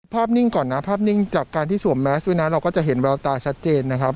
นิ่งก่อนนะภาพนิ่งจากการที่สวมแมสด้วยนะเราก็จะเห็นแววตาชัดเจนนะครับ